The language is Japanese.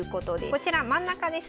こちら真ん中ですね。